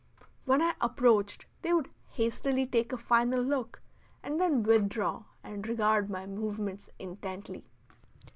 When I approached they would hastily take a final look and then withdraw and regard my movements intently.